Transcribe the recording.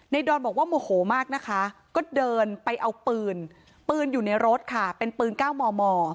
ดอนบอกว่าโมโหมากนะคะก็เดินไปเอาปืนปืนอยู่ในรถค่ะเป็นปืน๙มม